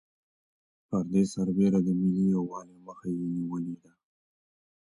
پر دې سربېره د ملي یوالي مخه یې نېولې ده.